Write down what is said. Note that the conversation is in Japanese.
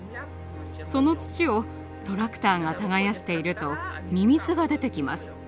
その土をトラクターが耕しているとミミズが出てきます。